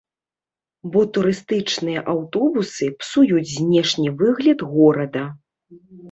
Бо турыстычныя аўтобусы псуюць знешні выгляд горада.